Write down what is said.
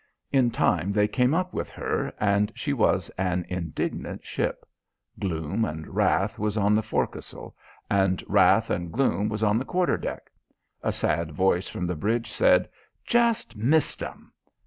In time they came up with her and she was an indignant ship. Gloom and wrath was on the forecastle and wrath and gloom was on the quarter deck. A sad voice from the bridge said: "Just missed 'em."